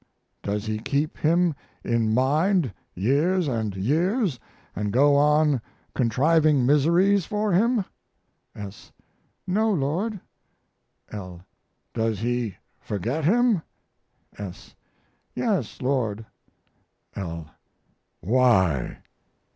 Does he keep him in mind years and years and go on contriving miseries for him? S. No, Lord. L. Does he forget him? S. Yes, Lord. L. Why?